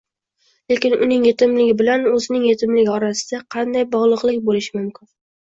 Lekin uning yetimligi bilan o'zining yetimligi orasida qanday bog'liqlik bo'lishi mumkin?